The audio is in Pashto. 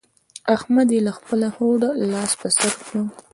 احمد يې له خپله هوډه لاس پر سر کړ.